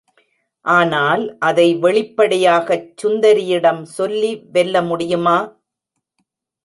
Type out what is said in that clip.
ஆனால் அதை வெளிப்படையாய்ச் சுந்தரியிடம் சொல்லி வெல்ல முடியுமா?